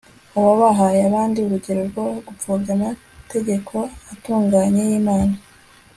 baba bahaye abandi urugero rwo gupfobya amategeko atunganye y'imana